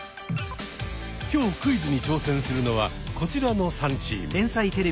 今日クイズに挑戦するのはこちらの３チーム。